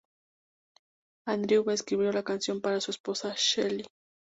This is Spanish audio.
Andrew escribió la canción para su esposa, Shelly.